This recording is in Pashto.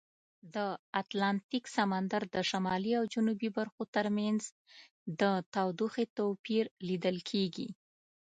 د اتلانتیک سمندر د شمالي او جنوبي برخو ترمنځ د تودوخې توپیر لیدل کیږي.